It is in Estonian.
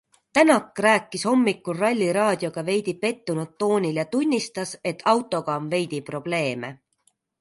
Tänak rääkis hommikul ralliraadioga veidi pettunud toonil ja tunnistas, et autoga on veidi probleeme.